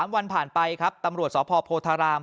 ๓วันผ่านไปครับตำรวจสพโพธาราม